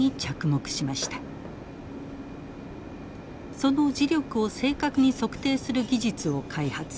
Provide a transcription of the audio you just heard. その磁力を正確に測定する技術を開発。